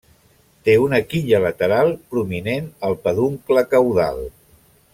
Té una quilla lateral prominent al peduncle caudal.